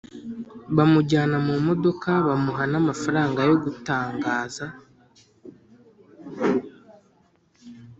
Bamujyana mu modoka, bamuha n' amafaranga yo gutangaza